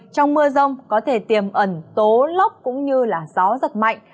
trong mưa rông có thể tiềm ẩn tố lốc cũng như gió giật mạnh